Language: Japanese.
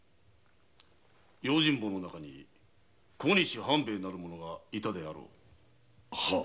用心棒の中に「小西半兵衛」がいたであろう。